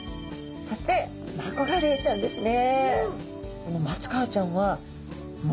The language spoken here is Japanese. そしてマコガレイちゃんですね。